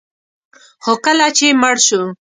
خو کله چې مړ شو